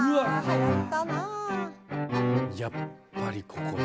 やっぱりここで。